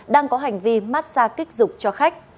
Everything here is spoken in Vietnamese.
đang có hành vi mát xa kích dục cho khách